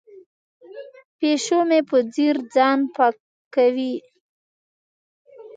پیشو مې په ځیر ځان پاکوي.